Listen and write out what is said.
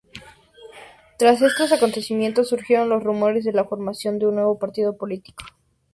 Tras estos acontecimientos, surgieron los rumores de la formación de un nuevo partido político.